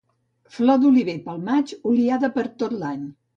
Flor d'oliver pel maig, oliada per a tot l'any